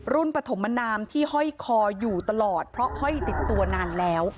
ปฐมนามที่ห้อยคออยู่ตลอดเพราะห้อยติดตัวนานแล้ว